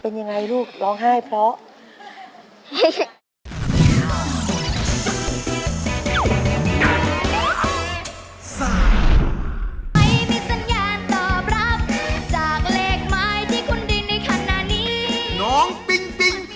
เป็นอย่างไรลูกร้องให้พี่